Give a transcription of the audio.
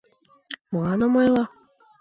— Молан ом ойло?!